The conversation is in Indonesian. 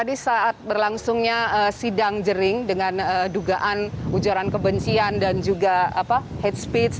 tadi saat berlangsungnya sidang jering dengan dugaan ujaran kebencian dan juga hate speech